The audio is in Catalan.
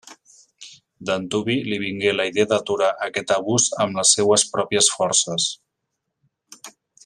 D'antuvi li vingué la idea d'aturar aquest abús amb les seues pròpies forces.